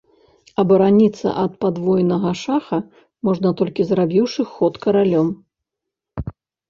Абараніцца ад падвойнага шаха можна толькі зрабіўшы ход каралём.